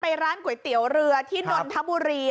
ร้านก๋วยเตี๋ยวเรือที่นนทบุรี